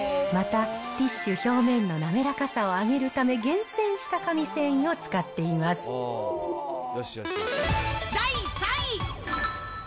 また、ティッシュ表面の滑らかさを上げるため、厳選した紙繊維を使って第３位。